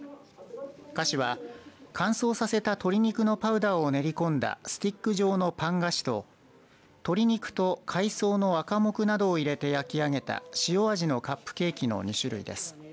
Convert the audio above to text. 菓子は、乾燥させた鶏肉のパウダーを練り込んだスティック状のパン菓子と鶏肉と海草のアカモクなどを入れて焼き上げた塩味のカップケーキの２種類です。